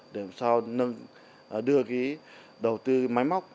để làm sao đưa đầu tư máy móc